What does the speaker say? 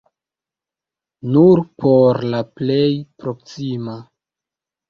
Nur por la plej proksima!